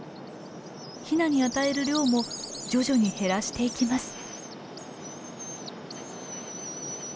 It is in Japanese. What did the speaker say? ヒナに与える量も徐々に減らしていきます。